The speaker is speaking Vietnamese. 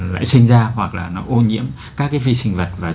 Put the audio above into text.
lại sinh ra hoặc là nó ô nhiễm các cái vi sinh vật vào